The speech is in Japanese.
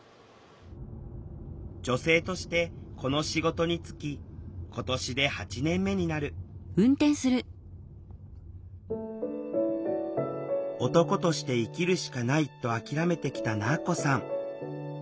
女性としてこの仕事に就き今年で８年目になる「男として生きるしかない」と諦めてきたなぁこさん。